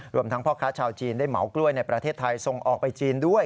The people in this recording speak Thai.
รวมทั้งพ่อค้าชาวจีนได้เหมากล้วยในประเทศไทยส่งออกไปจีนด้วย